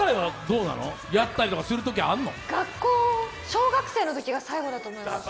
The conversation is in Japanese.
小学生のときが最後だと思います。